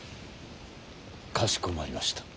かしこまりました。